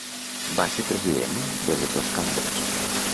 Va ser president de les dos Cambres.